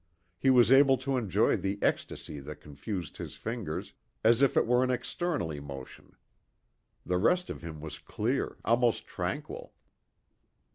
He was able to enjoy the ecstasy that confused his fingers as if it were an external emotion. The rest of him was clear, almost tranquil.